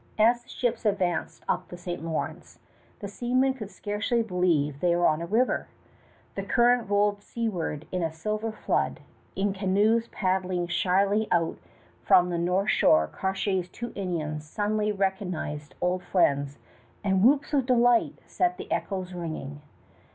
As the ships advanced up the St. Lawrence the seamen could scarcely believe they were on a river. The current rolled seaward in a silver flood. In canoes paddling shyly out from the north shore Cartier's two Indians suddenly recognized old friends, and whoops of delight set the echoes ringing.